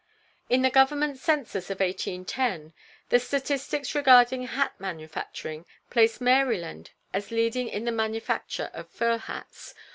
In the government census of 1810, the statistics regarding hat manufacturing place Maryland as leading in the manufacture of fur hats.